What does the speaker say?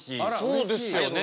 そうですよね。